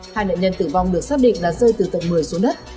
hai nạn nhân tử vong được xác định là rơi từ tầng một mươi xuống đất